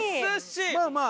まあまあ。